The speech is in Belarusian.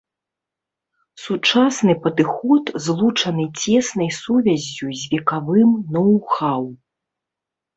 Сучасны падыход злучаны цеснай сувяззю з векавым ноу-хау.